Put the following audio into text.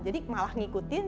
jadi malah ngikutin